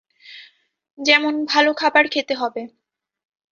যেমন ভালো খাবার খেতে হবে।